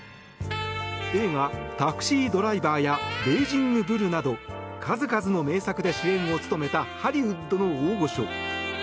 映画「タクシードライバー」や「レイジング・ブル」など数々の名作で主演を務めたハリウッドの大御所。